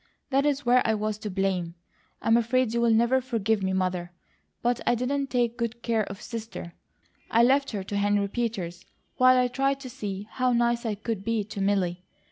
That is where I was to blame. I'm afraid you'll never forgive me, Mother; but I didn't take good care of Sister. I left her to Henry Peters, while I tried to see how nice I could be to Milly.